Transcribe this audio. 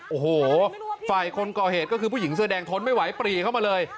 โอ้โหฝ่ายคนก่อเหตุก็คือผู้หญิงเสื้อแดงทนไม่ไหวปรีเข้ามาเลย